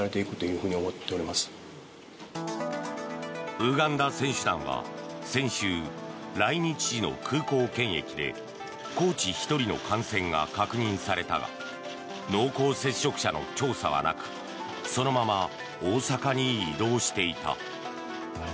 ウガンダ選手団は先週来日時の空港検疫でコーチ１人の感染が確認されたが濃厚接触者の調査はなくそのまま大阪に移動していた。